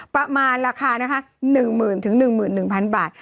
ประมาณราคานะคะหนึ่งหมื่นถึงหนึ่งหมื่นหนึ่งพันบาท